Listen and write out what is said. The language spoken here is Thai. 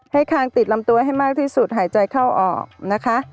คางติดลำตัวให้มากที่สุดหายใจเข้าออกนะคะ